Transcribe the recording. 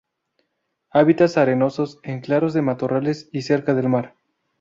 Hábitats arenosos, en claros de matorrales y cerca del mar.